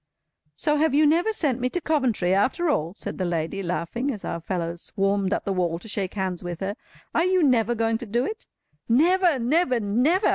"So you have never sent me to Coventry after all!" said the lady, laughing, as our fellows swarmed up the wall to shake hands with her. "Are you never going to do it?" "Never! never! never!"